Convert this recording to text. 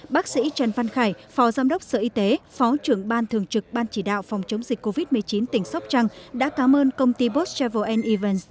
bác sĩ trần văn khải phó giám đốc sở y tế phó trưởng ban thường trực ban chỉ đạo phòng chống dịch covid một mươi chín tỉnh sóc trăng đã cám ơn công ty boss travel events